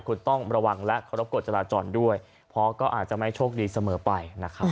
คุณต้องระวังและเคารพกฎจราจรด้วยเพราะก็อาจจะไม่โชคดีเสมอไปนะครับ